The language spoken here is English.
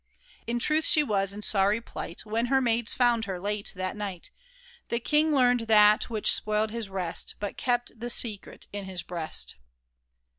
In truth she was in sorry plight When her maids found her late that night, The king learned that which spoiled his rest, But kept the secret in his breast